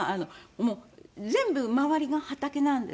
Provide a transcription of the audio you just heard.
もう全部周りが畑なんですね。